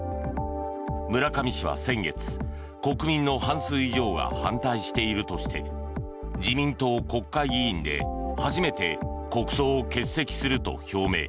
村上氏は先月、国民の半数以上が反対しているとして自民党国会議員で初めて国葬を欠席すると表明。